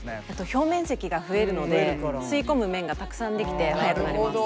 表面積が増えるので吸い込む面がたくさんできて速くなります。